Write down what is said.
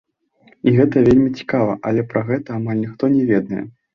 І гэта вельмі цікава, але пра гэта амаль ніхто не ведае.